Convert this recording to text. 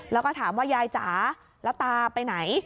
แล้วก็ถามว่ายายจ๋าแล้วตาไปไหน